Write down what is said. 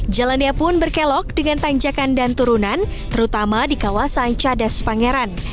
jalannya pun berkelok dengan tanjakan dan turunan terutama di kawasan cadas pangeran